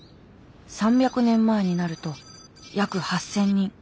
３００年前になると約８，０００人。